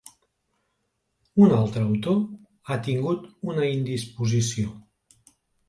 Un altre autor ha tingut una indisposició.